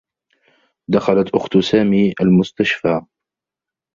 دخلت أخت سامي المستشفى.